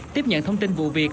tiếp nhận thông tin vụ việc